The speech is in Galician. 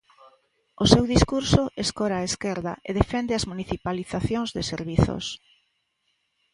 O seu discurso escora á esquerda e defende as municipalizacións de servizos.